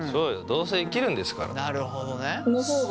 どうせ生きるんですから。